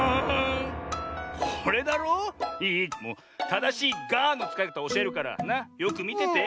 ただしいガーンのつかいかたをおしえるからよくみてて。